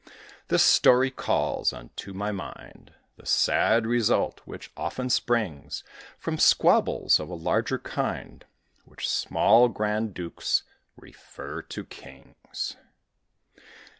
This story calls unto my mind The sad result which often springs From squabbles of a larger kind, Which small grand dukes refer to kings.